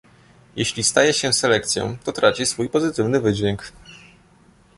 Jeśli staje się selekcją, to traci swój pozytywny wydźwięk